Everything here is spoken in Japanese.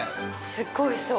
◆すごいおいしそう。